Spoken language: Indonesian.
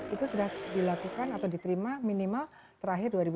itu sudah dilakukan atau diterima minimal terakhir dua ribu dua puluh